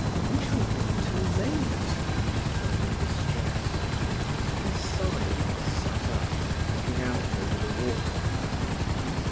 "We shall be too late," she said in distress. He sighed and sat up, looking out over the water.